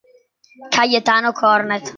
Cayetano Cornet